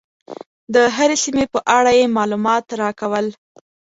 د هرې سیمې په اړه یې معلومات راکول.